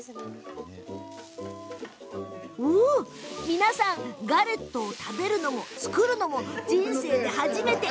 皆さん、ガレットを食べるのも作るのも、人生で初めて。